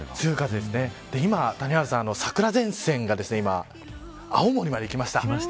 今、谷原さん、桜前線が青森までいきました。